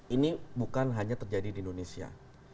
ini bukan hanya terjadi di indonesia